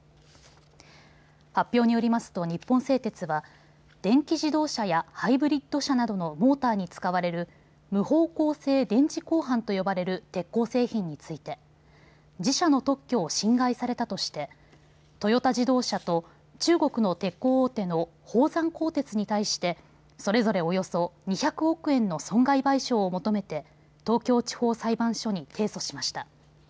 発表によりますと日本製鉄は電気自動車やハイブリッド車などのモーターに使われる無方向性電磁鋼板と呼ばれる鉄鋼製品について自社の特許を侵害されたとしてトヨタ自動車と中国の鉄鋼大手の宝山鋼鉄に対してそれぞれおよそ２００億円の損害賠償を求めて東京地方裁判所に提訴しました。